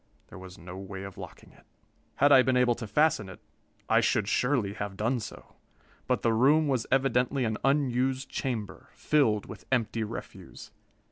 There was no way of locking it. Had I been able to fasten it, I should surely have done so; but the room was evidently an unused chamber, filled with empty refuse.